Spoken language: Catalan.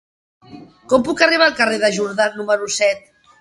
Com puc arribar al carrer de Jordà número set?